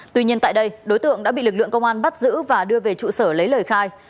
tuy nhiên tại đây đối tượng đã bị lực lượng công an bắt giữ và đưa về trụ sở lấy lời khai